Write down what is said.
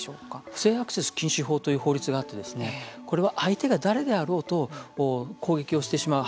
不正アクセス禁止法という法律があってこれは相手が誰であろうと攻撃をしてしまう。